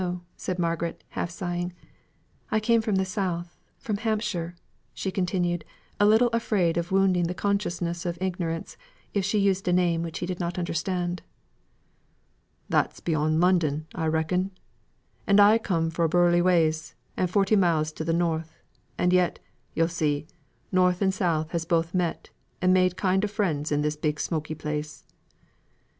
said Margaret, half sighing. "I come from the South from Hampshire," she continued, a little afraid of wounding his consciousness of ignorance, if she used a name which he did not understand. "That's beyond London, I reckon? And I come fro' Burnleyways, and forty miles to th' North. And yet, yo see, North and South has both met and made kind o' friends in this big smoky place."